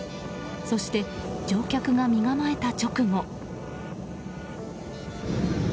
そして、乗客が身構えた直後。